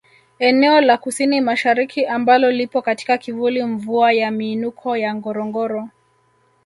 Eneo la KusiniMashariki ambalo lipo katika kivuli mvua ya miinuko ya Ngorongoro